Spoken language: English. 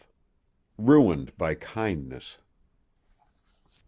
RUINED BY KINDNESS.